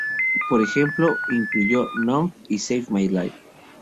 Por ejemplo, incluyó "Numb" y "Save My Life".